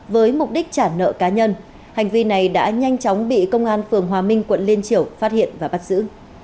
với mục đích trả nợ cá nhân hành vi này đã nhanh chóng bị công an phường hòa minh quận liên triều phát hiện và bắt giữ